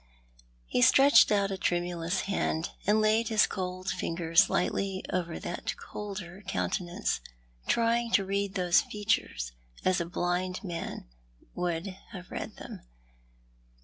He stretched out a tremulous hand, and laid his cold fingers lightly over that colder countenance — trying to read those features as a blind man would have read them.